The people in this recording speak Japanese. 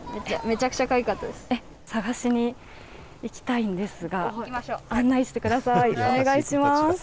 探しに行きたいんですが案内してください。